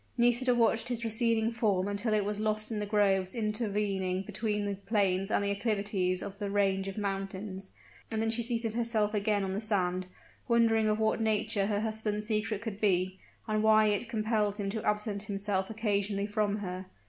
Nisida watched his receding form until it was lost in the groves intervening between the plains and the acclivities of the range of mountains; and then she seated herself again on the sand, wondering of what nature her husband's secret could be, and why it compelled him to absent himself occasionally from her.